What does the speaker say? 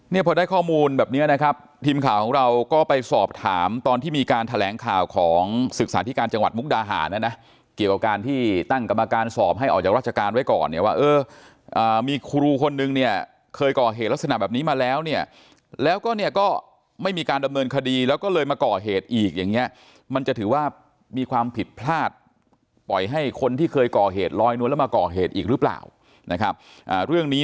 เนี่ยพอได้ข้อมูลแบบเนี้ยนะครับทีมข่าวของเราก็ไปสอบถามตอนที่มีการแถลงข่าวของศึกษาธิการจังหวัดมุกดาหานะนะเกี่ยวกับการที่ตั้งกรรมการสอบให้ออกจากราชการไว้ก่อนเนี่ยว่าเออมีครูคนนึงเนี่ยเคยก่อเหตุลักษณะแบบนี้มาแล้วเนี่ยแล้วก็เนี่ยก็ไม่มีการดำเนินคดีแล้วก็เลยมาก่อเหตุอีกอย่าง